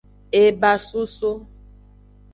Ebasoso.